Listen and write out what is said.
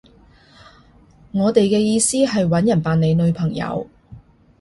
我哋嘅意思係搵人扮你女朋友